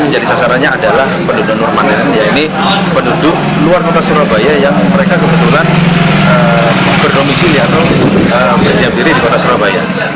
jadi sasarannya adalah penduduk normal yaitu penduduk luar kota surabaya yang mereka kebetulan berdomisi lihat lihat berdiam diri di kota surabaya